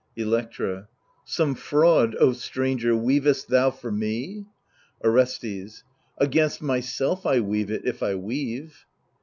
Electra Some fraud, O stranger, weavest thou for me ? Orestes Against myself I weave it, if I weave.